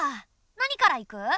何から行く？